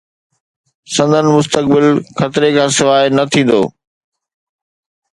سندن مستقبل خطري کان سواء نه ٿيندو.